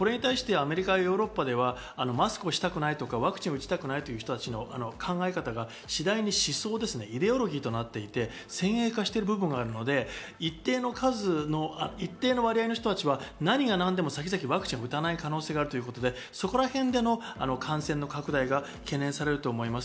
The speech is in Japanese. これに対してアメリカ、ヨーロッパではマスクをしたくないとか、ワクチンを打ちたくないという人の考え方が次第にイデオロギーとなって先鋭化している部分があるので一定の割合の人たちは何が何でも先々ワクチン打たない可能性があるということで、そこらへんでの感染の拡大が懸念されると思います。